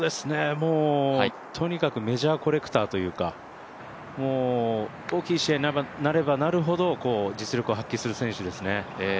とにかくメジャーコレクターというか大きい試合になればなるほど実力を発揮する選手ですね。